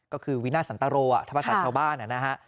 ก็คือวินาสันตโตรวะธรรมศาสตร์เท่าบ้าน